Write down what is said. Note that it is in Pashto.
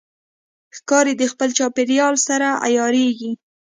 ښکاري د خپل چاپېریال سره عیارېږي.